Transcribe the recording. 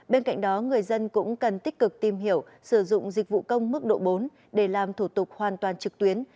bên cạnh đó người dân cũng cần tích cực tìm hiểu sử dụng dịch vụ công mức độ bốn để làm thủ tục hoàn toàn trực tuyến